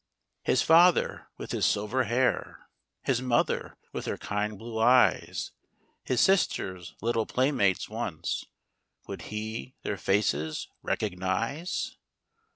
His father, with his silver hair ; His mother, with her kind blue eyes *. His sisters, little playmates once, — Would he their faces recognize